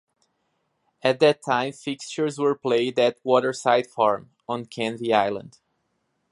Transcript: At that time fixtures were played at Waterside Farm, on Canvey Island.